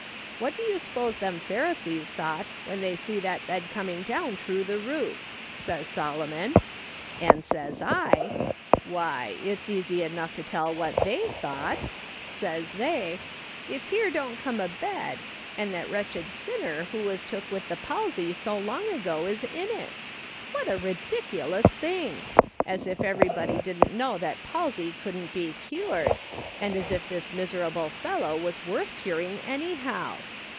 AVliat do you s'pose them Pharisees thought when they see that bed coming down through the roof ?' says Solomon ; and says 1 :"' Why, it's easy enough to tell what tliey thought, pays they : If here don't come a bed, and that k2 132 J/A i . SOLOMON SMITH LOOKING ON. wretclicd sinner who was took with the palsy so long ago is on it. "What a ridiculous thing ! As if everybody didn't know that palsy couldn't be cured, and as if this miserable fellow was worth curing, anyhow.